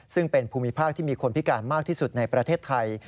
ซึ่งเป็นภูมิภาคที่มีคนพิการมากที่สุดในประเทศไทย